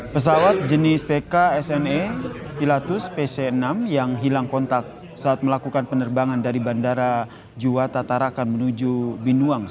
pesawat jenis pk sne pilatus pc enam yang hilang kontak saat melakukan penerbangan dari bandara jua tarakan menuju binuang